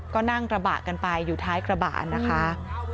ก็นั่งกระบะกันไปอยู่ท้ายกระบะนะคะ